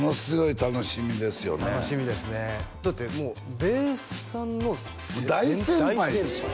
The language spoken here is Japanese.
楽しみですねだってもうべーさんの大先輩ですよ